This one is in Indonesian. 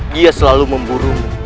dia selalu memburu